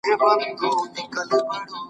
هغه وويل چي لاس مينځل مهم دي؟